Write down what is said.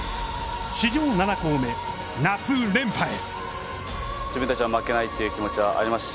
史上７校目、夏連覇へ。